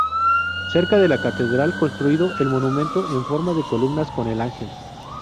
Cerca de la catedral construido el monumento en forma de columnas con el ángel.